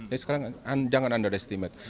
jadi sekarang jangan underestimate